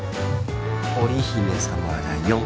織姫様だよん。